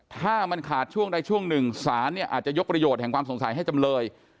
ถ้ามันขาดช่วงใดช่วงหนึ่งศาลเนี่ยอาจจะยกประโยชน์แห่งความสงสัยให้จำเลย